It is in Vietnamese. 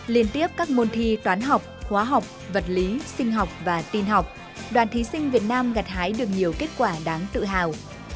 liên tiếp các môn thi toán học hóa học vật lý sinh học và tin học đoàn thí sinh việt nam gặt hái được nhiều kết quả đáng tự hào